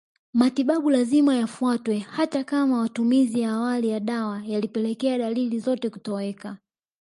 Matibabu lazima yafuatwe hata kama matumizi ya awali ya dawa yalipelekea dalili zote kutoweka